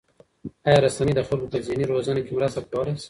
آیا رسنۍ د خلکو په ذهني روزنه کې مرسته کولای شي؟